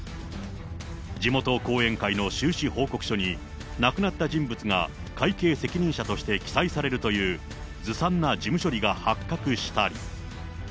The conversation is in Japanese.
地元後援会の収支報告書に、亡くなった人物が会計責任者として記載されるというずさんな事務処理が発覚したり。